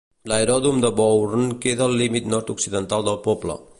L'aeròdrom de Bourn queda al límit nord-occidental del poble.